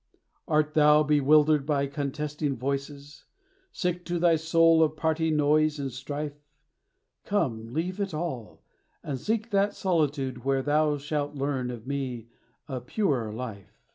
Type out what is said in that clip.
"Art thou bewildered by contesting voices, Sick to thy soul of party noise and strife? Come, leave it all, and seek that solitude Where thou shalt learn of me a purer life.